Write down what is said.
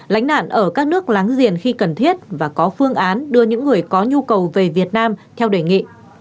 lánh nạn ở các nước láng giềng khi cần thiết và có phương án đưa những người có nhu cầu về việt nam theo đề nghị